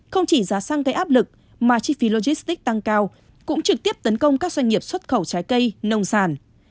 không chỉ giá sang cây áp lực mà chi phí logistic tăng cao cũng trực tiếp tấn công các doanh nghiệp xuất khẩu trái cây nông sản